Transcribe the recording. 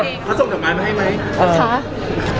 แต่จริงแล้วเขาก็ไม่ได้กลิ่นกันว่าถ้าเราจะมีเพลงไทยก็ได้